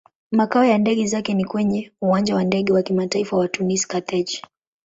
Makao ya ndege zake ni kwenye Uwanja wa Ndege wa Kimataifa wa Tunis-Carthage.